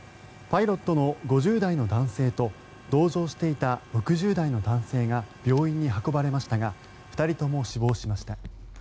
パイロットの５０代の男性と同乗していた６０代の男性が病院に運ばれましたが２人とも死亡しました。